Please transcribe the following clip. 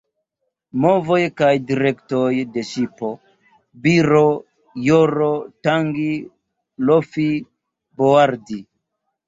Movoj kaj direktoj de ŝipo: biro, joro, tangi, lofi, boardi.